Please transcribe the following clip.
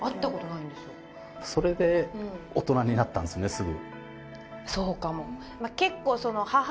すぐ。